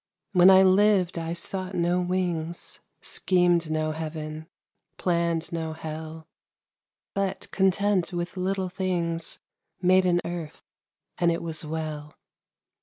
When I lived I sought no wings, Schemed no heaven, planned no hell, But, content with little things, Made an earth, and it was well.